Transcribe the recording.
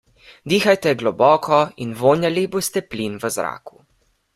Dihajte globoko in vonjali boste plin v zraku.